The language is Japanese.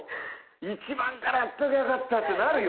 １万円からやっとけばよかったってなるよ。